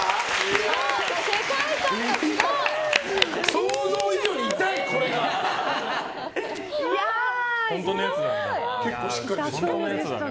想像以上に痛い、これが。